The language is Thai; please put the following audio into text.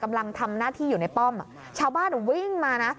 กำลังทำหน้าที่อยู่ในป้อมชาวบ้านวิ่งมานะ